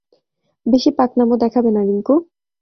বেশি পাকনামো দেখাবে না, রিংকু!